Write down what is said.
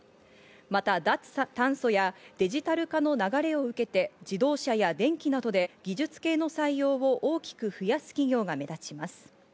また脱酸素やデジタル化の流れを受けて、自動車や電機などで技術系の採用を大きく増やす企業が目立ちます。